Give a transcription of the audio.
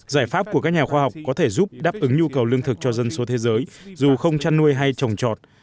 giải pháp của các nhà khoa học có thể giúp đáp ứng nhu cầu lương thực cho dân số thế giới dù không chăn nuôi hay trồng trọt